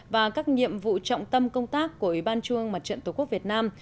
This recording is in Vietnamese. và các nhiệm vụ trọng tâm công tác của ủy ban trung ương mặt trận tổ quốc việt nam